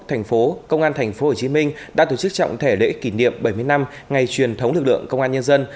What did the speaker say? thành phố công an tp hcm đã tổ chức trọng thể lễ kỷ niệm bảy mươi năm ngày truyền thống lực lượng công an nhân dân